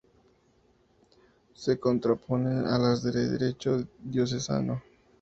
Se contraponen a las de derecho diocesano.